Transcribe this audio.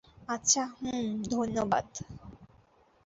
আচ্ছা, হুম, ধন্যবাদ।